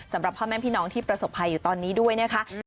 สำหรับพ่อแม่พี่น้องที่ประสบภัยอยู่ตอนนี้ด้วยนะคะ